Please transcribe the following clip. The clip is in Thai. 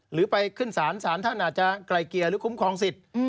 หรือไปขึ้นศาลศาลท่านอาจจะไกลเกลี่ยหรือคุ้มครองสิทธิ์